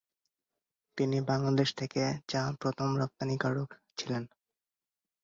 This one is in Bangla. তিনি বাংলাদেশ থেকে চা প্রথম রপ্তানিকারক ছিলেন।